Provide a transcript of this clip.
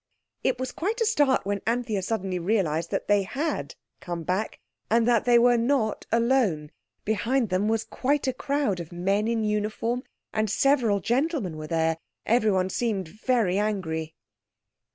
It was quite a start when Anthea suddenly realized that they had come back, and that they were not alone. Behind them was quite a crowd of men in uniform, and several gentlemen were there. Everyone seemed very angry.